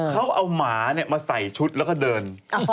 เขาเอาหมามาใส่ชุดแล้วก็เดิน